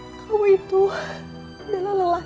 aku cinta denganmu words